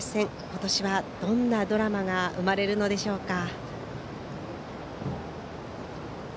今年はどんなドラマが生まれるのでしょうか。